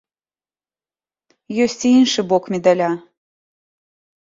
Ёсць і іншы бок медаля.